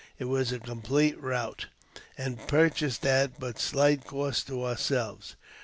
It was a complete ^ rout, and purchased at but slight cost to ourselves.